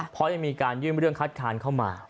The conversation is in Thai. เพราะยังมีการยื่นเรื่องคัดค้านเข้ามา